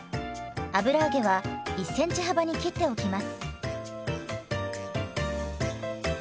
油揚げは１ｃｍ幅に切っておきます。